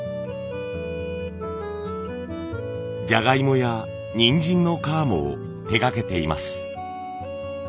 じゃがいもやにんじんの皮も手がけています。